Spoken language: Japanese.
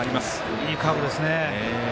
いいカーブですね。